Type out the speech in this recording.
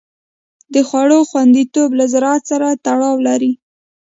د خوړو خوندیتوب له زراعت سره تړاو لري.